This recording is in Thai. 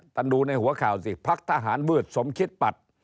แต่ดูในหัวข่าวสิพลักทหารเบือดสมคิตปัด